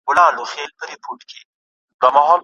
فخر په پلار او په نیکونو کوي